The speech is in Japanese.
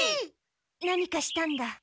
何かしたんだ。